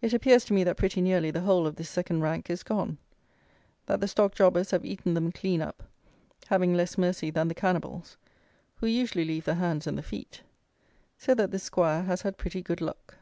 It appears to me that pretty nearly the whole of this second rank is gone; that the Stock Jobbers have eaten them clean up, having less mercy than the cannibals, who usually leave the hands and the feet; so that this squire has had pretty good luck.